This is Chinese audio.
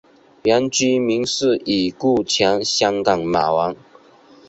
原居民是已故前香港马王。